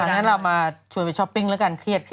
งั้นเรามาชวนไปช้อปปิ้งแล้วกันเครียด